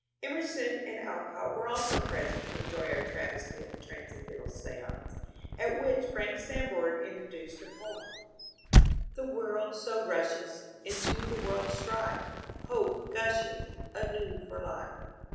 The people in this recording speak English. Emerson and Alcott were also present to enjoy our travesty of a transcendental stance, at which Frank Sanborn introduced a poem :— The world Boal nuheth Into the world's strife, — Hope gnsheth Anew for life.